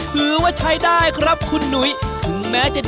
หลุดมาจากเมื่อไหร่